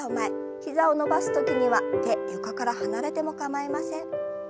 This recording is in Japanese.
膝を伸ばす時には手床から離れても構いません。